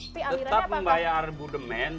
tetap membayar budemen